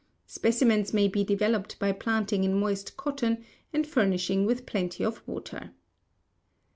Specimens may be developed by planting in moist cotton and furnishing with plenty of water.